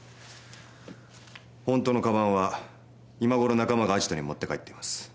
本当の鞄は今ごろ仲間がアジトに持って帰っています。